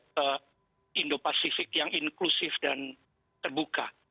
ke indo pasifik yang inklusif dan terbuka